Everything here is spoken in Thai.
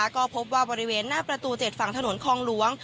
ก็พบว่าบริเวณหน้าประตู๗ฝั่งถนนคลองหลวง